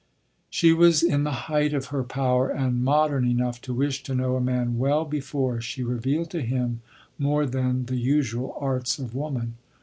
She was in the height of her power, and modern enough to wish to know a man well before she revealed to him more than the usual arts of woman.